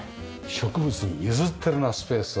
植物に譲ってるなスペースを。